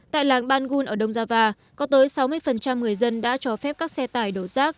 tại làng bangun ở đông java có tới sáu mươi người dân đã cho phép các xe tải đổ rác